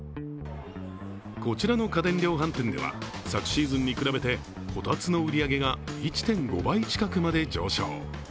こちらの家電量販店では昨シーズンに比べてこたつの売り上げが１．５倍近くまで上昇。